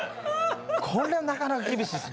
これなかなか厳しいっす。